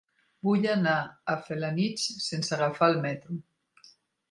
Vull anar a Felanitx sense agafar el metro.